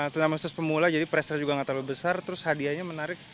tunamen khusus pemula jadi pressure juga gak terlalu besar terus hadiahnya menarik